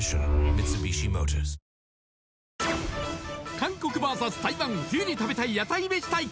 韓国ＶＳ台湾冬に食べたい屋台めし対決